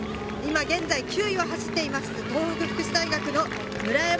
今、現在９位を走っています、東北福祉大学の村山。